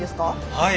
はい。